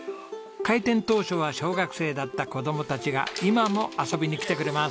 開店当初は小学生だった子どもたちが今も遊びに来てくれます。